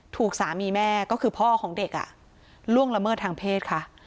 ถูกสามีแม่ก็คือพ่อของเด็กล่วงละเมิดทางเพศค่ะ